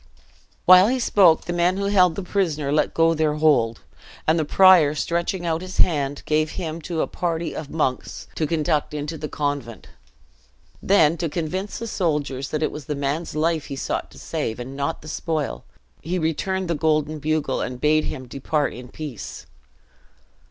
While he spoke, the men who held the prisoner let go their hold, and the prior stretching out his hand, gave him to a party of monks to conduct into the convent. Then, to convince the soldiers that it was the man's life he sought to save, and not the spoil, he returned the golden bugle, and bade him depart in peace.